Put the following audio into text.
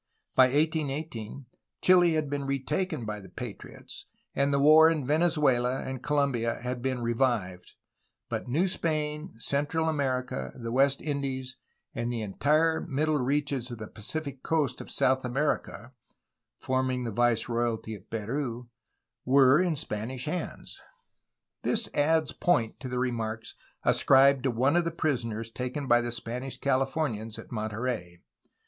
By 1818 Chile had been retaken by the patriots, and the war in Venezuela and Colombia had been revived, but New Spain, Central America, the West Indies, and the entire middle reaches of the Pacific coast of South America (forming the viceroyalty of Peru) were in Spanish hands. This adds point to the remarks ascribed to one of the prisoners taken by the Spanish Cahfornians at Mon terey.